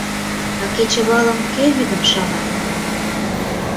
— А кечывалым кӧ вӱдым шава?